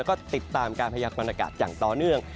แล้วก็ติดตามการพยากรณากาศอย่างต่อเนื่อง